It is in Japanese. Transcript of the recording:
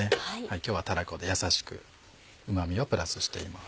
今日はたらこでやさしくうま味をプラスしています。